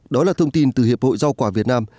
đó là thông tin từ hiệp hội rau quả việt nam